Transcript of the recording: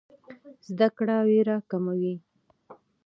زده کړه ویره کموي.